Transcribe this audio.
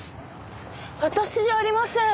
私じゃありません。